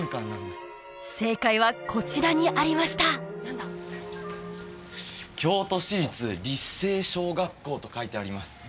正解はこちらにありました京都市立立誠小学校と書いてあります